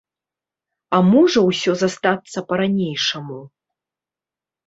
А можа ўсё застацца па-ранейшаму.